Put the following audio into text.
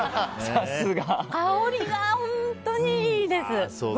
香りが本当にいいです。